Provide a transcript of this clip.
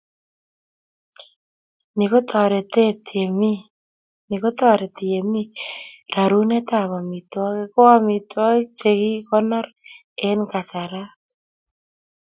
Ni kotoreti yemi rerunetab amitwogik ko amitwokik che kikikonor eng kasarat